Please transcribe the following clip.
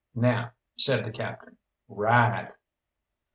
"Now," said the Captain, "ride!"